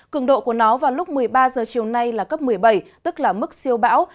cường độ của nó vào lúc một mươi ba h chiều nay là cấp một mươi bảy tức là mức siêu bão